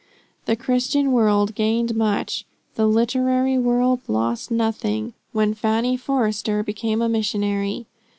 The Christian world gained much, the literary world lost nothing, when Fanny Forester became a missionary.